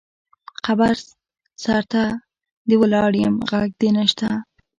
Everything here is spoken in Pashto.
قبر سرته دې ولاړ یم غږ دې نه شــــته